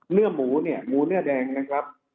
เนื้อหมูเนี่ยหมูเนื้อแดงนะครับ